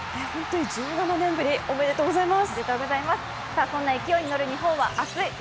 １７年ぶり、おめでとうございます。